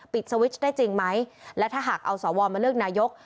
สวิชได้จริงไหมและถ้าหากเอาสวมาเลือกนายก